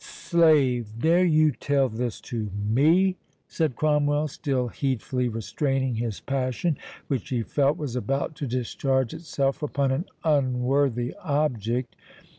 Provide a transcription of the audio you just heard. "Slave! dare you tell this to me?" said Cromwell, still heedfully restraining his passion, which he felt was about to discharge itself upon an unworthy object.